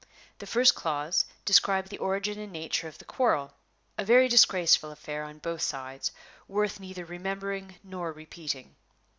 The first clause described the origin and nature of the quarrel a very disgraceful affair on both sides, worth neither remembering nor repeating.